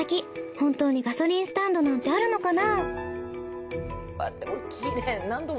本当にガソリンスタンドなんてあるのかな？